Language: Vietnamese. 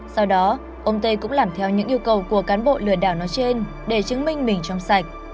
sau đó ông tây cũng làm theo những yêu cầu của cán bộ lừa đảo nói trên để chứng minh mình trong sạch